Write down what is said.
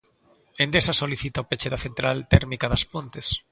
Endesa solicita o peche da central térmica das Pontes.